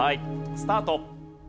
スタート。